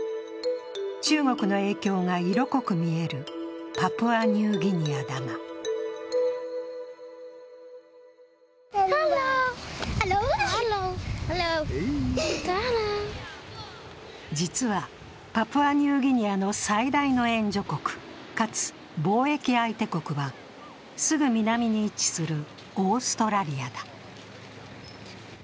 中国の影響が色濃く見えるパプアニューギニアだが実はパプアニューギニアの最大の援助国、かつ貿易相手国はすぐ南に位置するオーストラリアだ。